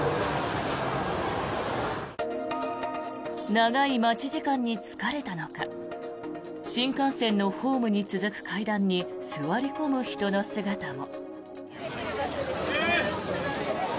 長い待ち時間に疲れたのか新幹線のホームに続く階段に座り込む人の姿も。